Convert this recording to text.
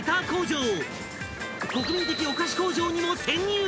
［国民的お菓子工場にも潜入！］